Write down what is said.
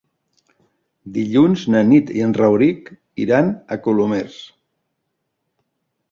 Dilluns na Nit i en Rauric iran a Colomers.